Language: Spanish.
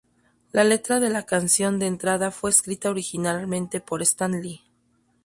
La letra de la canción de entrada fue escrita originalmente por Stan Lee.